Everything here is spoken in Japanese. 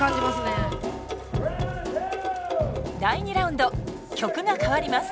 第２ラウンド曲が変わります。